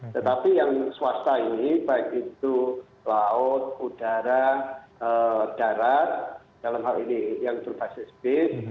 tetapi yang swasta ini baik itu laut udara darat dalam hal ini yang berbasis bis